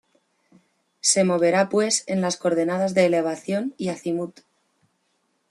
Se moverá pues en las coordenadas de elevación y azimut.